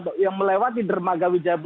atau yang melewati dermaga